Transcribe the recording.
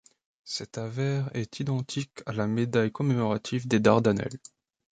Cette avers est identique à la médaille commémorative des Dardanelles.